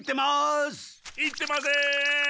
言ってません！